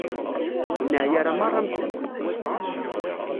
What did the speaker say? Ur neɛya ara merra am kemm.